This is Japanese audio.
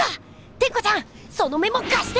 テンコちゃんそのメモかして！